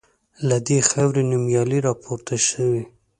له دې خاوري نومیالي راپورته سوي